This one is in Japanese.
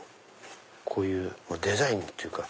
こういうデザインっていうか。